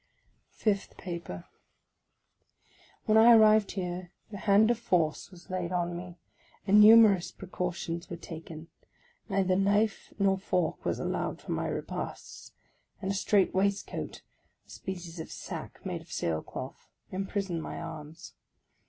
FIFTH PAPER WHEN I arrived here the hand of force was laid on me, and numerous precautions were taken: neither knife nor fork was allowed for my repasts ; and a strait waistcoat — a species of sack made of sail cloth — imprisoned my arms.